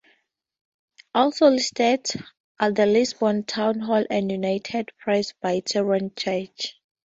Also listed are the Lisbon Town Hall and United Presbyterian Church.